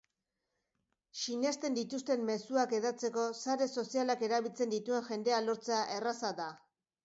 Sinesten dituzten mezuak hedatzeko sare sozialak erabiltzen dituen jendea lortzea erraza da.